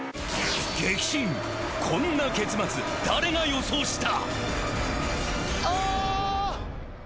激震こんな結末誰が予想した！？